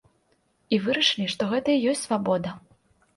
І вырашылі, што гэта і ёсць свабода.